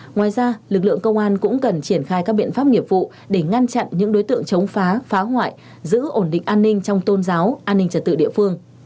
ngoài ra lực lượng công an cũng cần triển khai các biện pháp nghiệp vụ để ngăn chặn những đối tượng chống phá phá hoại giữ ổn định an ninh trong tôn giáo an ninh trật tự địa phương